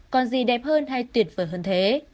còn gì đẹp hơn hay tuyệt vời hơn thế